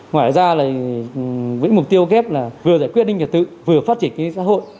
ngoài ra là với mục tiêu kép là vừa giải quyết ninh trật tự vừa phát triển kinh tế xã hội